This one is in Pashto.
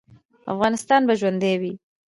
افغانستان به ژوندی وي؟